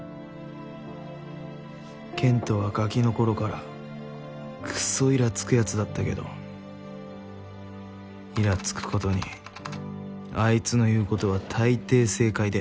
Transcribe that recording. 健斗はガキの頃からくそいらつくやつだったけどいらつくことにあいつの言うことは大抵正解で。